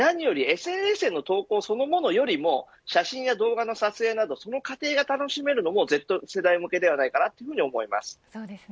ＳＮＳの投稿そのものよりも写真や動画の撮影などその過程が楽しめるのもＺ世代向けだと思います。